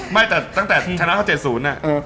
ไม่แต่ตั้งแต่ชนะเขาเจ็ดศูนย์อ่ะ